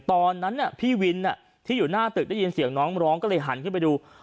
ตอนนั้นพี่วินที่อยู่หน้าตึกได้ยินเสียงน้องร้องก็เลยหันขึ้นไปดู